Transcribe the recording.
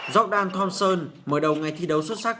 jordan thompson mở đầu ngày thi đấu xuất sắc